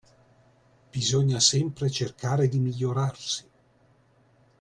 Bisogna sempre cercare di migliorarsi